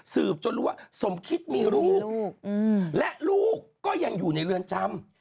จนรู้ว่าสมคิดมีลูกและลูกก็ยังอยู่ในเรือนจำ